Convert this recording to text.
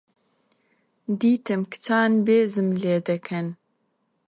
دیتم کچان بێزم لێ دەکەن.